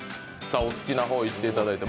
お好きな方、いっていただいて。